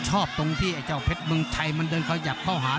ตรงที่ไอ้เจ้าเพชรเมืองไทยมันเดินขยับเข้าหา